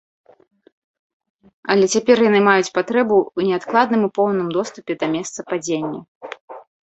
Але цяпер яны маюць патрэбу ў неадкладным і поўным доступе да месца падзення.